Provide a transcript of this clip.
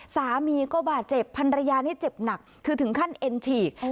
สามีก็บาดเจ็บพันรยานี่เจ็บหนักคือถึงขั้นเอ็นฉีก